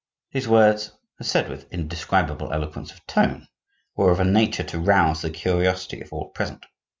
These words, said with indescribable eloquence of tone, were of a nature to rouse the curiosity of all present.